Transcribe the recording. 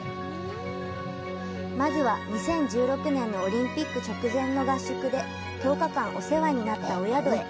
まずは、２０１６年のオリンピック直前の合宿で、１０日間お世話になったお宿へ。